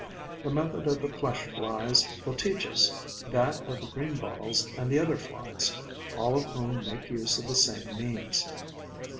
The method of the Flesh flies will teach us that of the greenbottles and the other Flies, all of whom make use of the same means.